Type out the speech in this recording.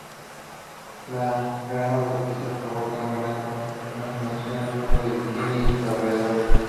La Gran Autopista provoca una gran contaminación en Fondo de Bikini y sus alrededores.